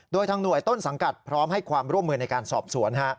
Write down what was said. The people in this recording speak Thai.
โดยทางหน่วยต้นสังกัดพร้อมให้ความร่วมมือในการสอบสวน